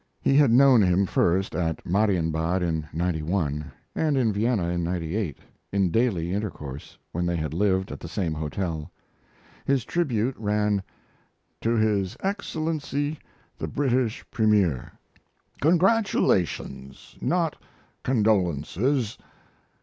He had known him first at Marienbad in '91, and in Vienna in '98, in daily intercourse, when they had lived at the same hotel. His tribute ran: To HIS EXCELLENCY THE BRITISH PREMIER, Congratulations, not condolences.